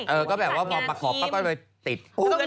เออก็แบบว่าพอประขอบปั๊บไปติด